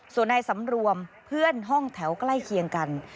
ส่วนนายสำรวมเพื่อนห้องแถวใกล้เคียงกัน